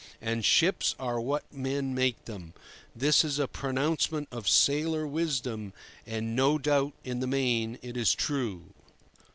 And ships are what men make them: this is a pronouncement of sailor wisdom, and, no doubt, in the main it is true.